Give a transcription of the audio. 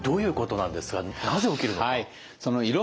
なぜ起きるのか？